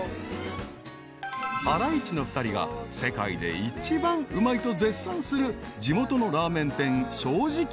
［ハライチの２人が世界で一番うまいと絶賛する地元のラーメン店］